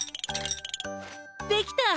できた！